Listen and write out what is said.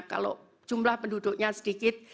kalau jumlah penduduknya sedikit